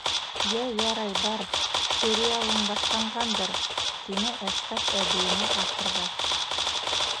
- Йә, ярай, бар, сериалың башланғандыр, - тине Әсҡәт әбейенә ахырҙа.